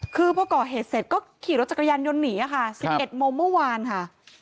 คือพอก่อเหตุเสร็จก็ขี่รถจักรยานยนต์หนีค่ะ๑๑โมงเมื่อวานค่ะ